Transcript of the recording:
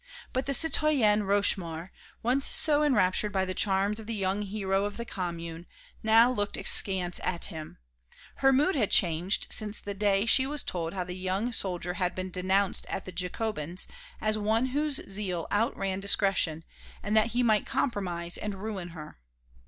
But the citoyenne Rochemaure, once so enraptured by the charms of the young hero of the Commune, now looked askance at him; her mood had changed since the day she was told how the young soldier had been denounced at the Jacobins as one whose zeal outran discretion and that he might compromise and ruin her.